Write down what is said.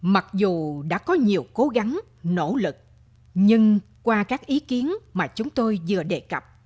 mặc dù đã có nhiều cố gắng nỗ lực nhưng qua các ý kiến mà chúng tôi vừa đề cập